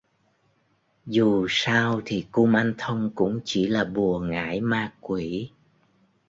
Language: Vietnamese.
Dù sao thì kumanthong cũng chỉ là bùa ngải ma quỷ